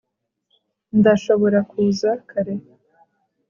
Ndashobora kuza kare